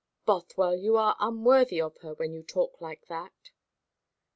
"Bothwell, you are unworthy of her when you talk like that."